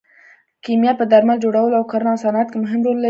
کیمیا په درمل جوړولو او کرنه او صنعت کې مهم رول لري.